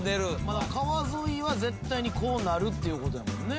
川沿いは絶対にこうなるっていうことやもんね。